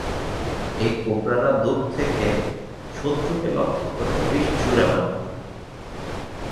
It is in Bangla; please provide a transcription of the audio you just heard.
এই কোবরা দূর থেকে শত্রুকে লক্ষ্য করে বিষ ছুড়ে মারে।